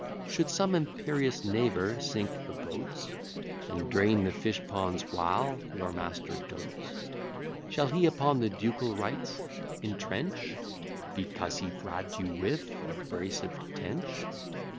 Should some imperious neighbour sink the boats, And drain the fish ponds, while your master dotes; Shall he upon the ducal rights intrench, Because he bribed you with a brace of tench?